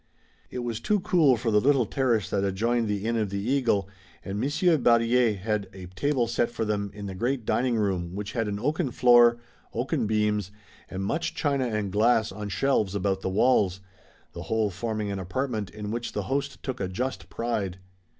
It was too cool for the little terrace that adjoined the Inn of the Eagle, and Monsieur Berryer had a table set for them in the great dining room, which had an oaken floor, oaken beams and much china and glass on shelves about the walls, the whole forming an apartment in which the host took a just pride.